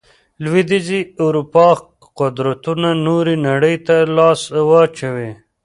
لوېدیځې اروپا قدرتونو نورې نړۍ ته لاس واچوي.